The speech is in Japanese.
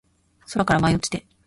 空から舞い落ちて